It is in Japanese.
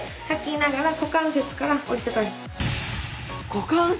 股関節！